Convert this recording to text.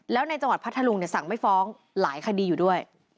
แล้วในจังหวัดพัทธรุงสั่งไม่ฟ้องหลายคดีอยู่ด้วย